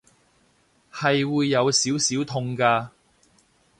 係會有少少痛㗎